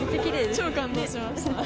超感動しました。